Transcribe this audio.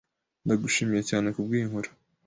Ndagushimiye cyane kubwiyi nkuru